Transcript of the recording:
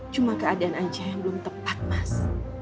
cuma keadaan aja yang belum tepat mas